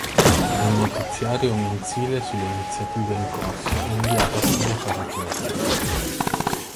Un notiziario mensile sulle iniziative in corso è inviato a chi ne fa richiesta.